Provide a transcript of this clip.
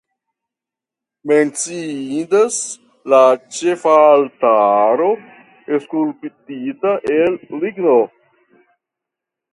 Menciindas la ĉefaltaro skulptita el ligno.